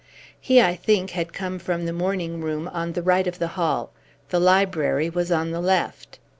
He, I think, had come from the morning room on the right of the hall. The library was on the left.